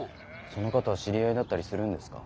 その方は知り合いだったりするんですか？